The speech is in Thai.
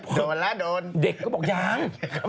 โดนแล้วโดนเด็กก็บอกยัง